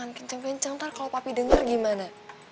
jangan kenceng kenceng nanti kalau papi dengar gimana